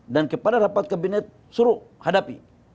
dan kepada rapat kabinet suruh hadapi